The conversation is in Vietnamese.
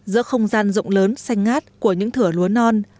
giữa không gian rộng lớn xanh ngát của những thửa lúa non